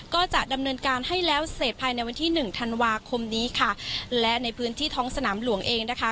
ก็จะดำเนินการให้แล้วเสร็จภายในวันที่หนึ่งธันวาคมนี้ค่ะและในพื้นที่ท้องสนามหลวงเองนะคะ